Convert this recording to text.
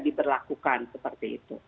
diberlakukan seperti itu